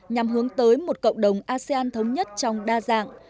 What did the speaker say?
nhằm hướng tới một cộng đồng asean thống nhất trong đa dạng